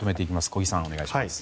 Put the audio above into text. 小木さん、お願いします。